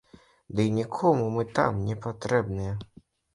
Дый нікому мы там не патрэбныя.